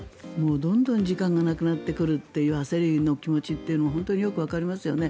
どんどん時間がなくなってくるという焦りの気持ちは本当によくわかりますよね。